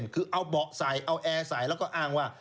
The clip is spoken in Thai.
คือเอาเบาะใส่เอาแอร์ใส่แล้วก็อ้างว่า